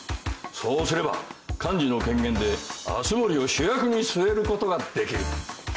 そうすれば幹事の権限で熱護を主役に据えることができる。